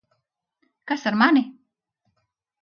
Kas ar mani?